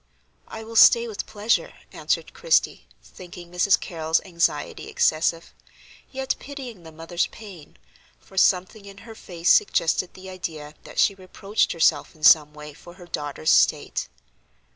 "I will stay with pleasure," answered Christie, thinking Mrs. Carrol's anxiety excessive, yet pitying the mother's pain, for something in her face suggested the idea that she reproached herself in some way for her daughter's state.